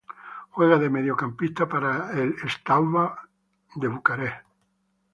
Juega de mediocampista para el Steaua de Bucarest.